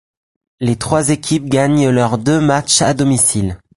Les trois équipes gagnent leurs deux matchs à domicile.